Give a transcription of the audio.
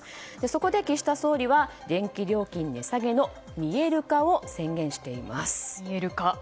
そこで岸田総理は電気料金値下げの見える化を宣言しています。